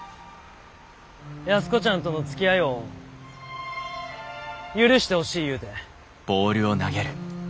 安子ちゃんとのつきあいを許してほしいいうて。